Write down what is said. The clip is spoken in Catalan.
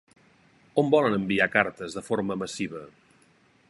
On volen enviar cartes de forma massiva?